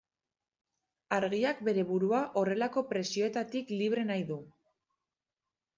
Argiak bere burua horrelako presioetatik libre nahi du.